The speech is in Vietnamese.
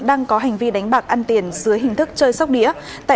đang có hành vi đánh bạc ăn tiền dưới hình thức chơi sóc đĩa